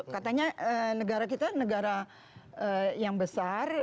katanya negara kita negara yang besar